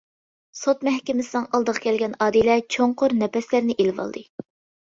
سوت مەھكىمىسىنىڭ ئالدىغا كەلگەن ئادىلە چوڭقۇر نەپەسلەرنى ئېلىۋالدى.